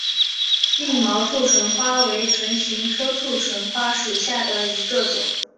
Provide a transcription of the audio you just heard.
硬毛兔唇花为唇形科兔唇花属下的一个种。